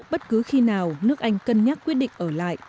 bất cứ khi nào nước anh cân nhắc quyết định ở lại